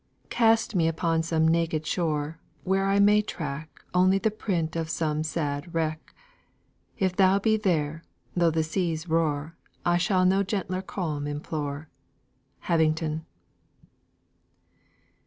"Cast me upon some naked shore, Where I may tracke Only the print of some sad wracke, If thou be there though the seas roare, I shall no gentler calm implore." HABINGTON.